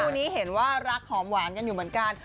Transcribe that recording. นี้เห็นว่ารักหอมหวานกันอยู่เหมือนกัน